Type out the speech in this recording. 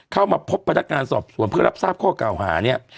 เข้ามาพบพนักงานสอบสวนเพื่อรับทราบข้อเก่าหาเนี่ย